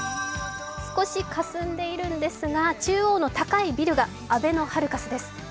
少しかすんでいるんですが中央の高いビルがあべのハルカスです。